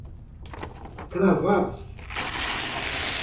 cravados